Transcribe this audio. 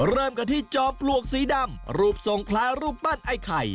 เริ่มกันที่จอมปลวกสีดำรูปทรงคล้ายรูปปั้นไอ้ไข่